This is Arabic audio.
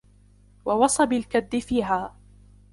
وَوَصَبِ الْكَدِّ فِيهَا